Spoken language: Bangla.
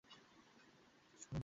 মাঝে মাঝে একটু চেক করবেন।